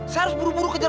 saya harus buru buru kejar